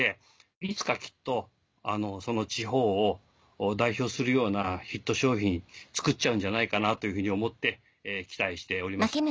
いつかきっとその地方を代表するようなヒット商品作っちゃうんじゃないかなというふうに思って期待しております。